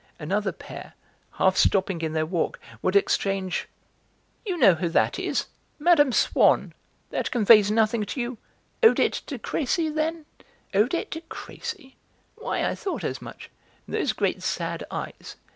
Another pair, half stopping in their walk, would exchange: "You know who that is? Mme. Swann! That conveys nothing to you? Odette de Crécy, then?" "Odette de Crécy! Why, I thought as much. Those great, sad eyes...